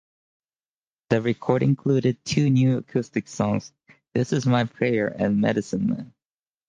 The record included two new acoustic songs, "This Is My Prayer" and "Medicine Man".